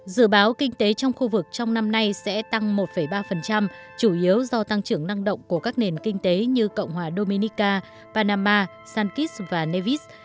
dự báo kinh tế trong khu vực trong năm nay sẽ tăng một ba chủ yếu do tăng trưởng năng động của các nền kinh tế như cộng hòa dominica panama sankis và nevis